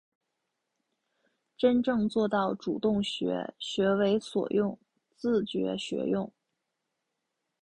真正做到主动学、学为所用、自觉学用